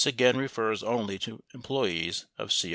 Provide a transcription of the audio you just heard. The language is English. This refers only to employees of CRP.